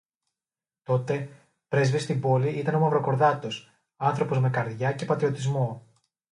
Τότε, πρέσβυς στην Πόλη ήταν ο Μαυροκορδάτος, άνθρωπος με καρδιά και πατριωτισμό